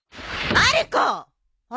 まる子は？